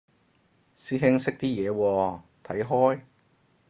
師兄識啲嘢喎，睇開？